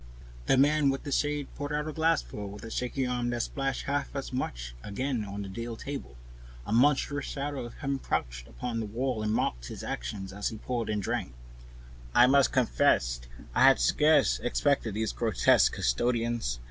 The man with the shade poured out a glassful with a shaking hand, that splashed half as much again on the deal table. A monstrous shadow of him crouched upon the wall, and mocked his action as he poured and drank. I must confess I had scarcely expected these grotesque custodians.